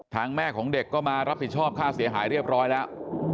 แม่ของเด็กก็มารับผิดชอบค่าเสียหายเรียบร้อยแล้ว